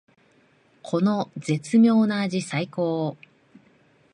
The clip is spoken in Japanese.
この絶妙な味さいこー！